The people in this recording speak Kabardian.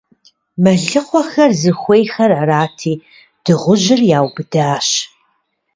Мэлыхъуэхэр зыхуейххэр арати, дыгъужьыр яубыдащ.